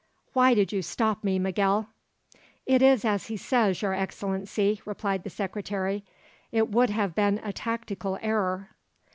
"Why did you stop me, Miguel?" "It is as he says, Your Excellency," replied the Secretary. "It would have been a tactical error."